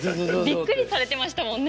びっくりされてましたもんね。